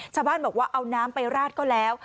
ชาวบ้านบอกว่าเอาน้ำไปราดก็แล้ว